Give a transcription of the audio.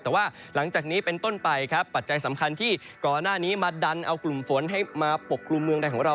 แต่ว่าหลังจากนี้เป็นต้นไปครับปัจจัยสำคัญที่ก่อนหน้านี้มาดันเอากลุ่มฝนให้มาปกกลุ่มเมืองใดของเรา